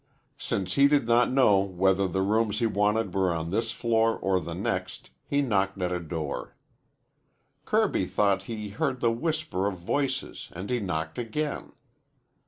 Since he did not know whether the rooms he wanted were on this floor or the next he knocked at a door. Kirby thought he heard the whisper of voices and he knocked again.